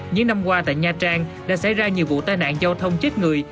những năm qua tại nha trang đã xảy ra nhiều vụ tai nạn giao thông chết người